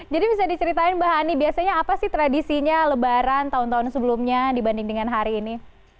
jadi bisa diceritain mbak hany biasanya apa sih tradisinya lebaran tahun tahun sebelumnya dibanding dengan hari ini